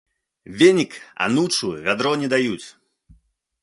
Венік, анучу, вядро не даюць!